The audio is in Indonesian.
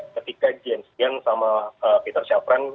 ketika james gunn sama peter shafran